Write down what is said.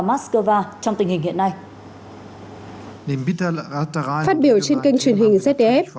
moscow trong tình hình hiện nay phát biểu trên kênh truyền hình zdf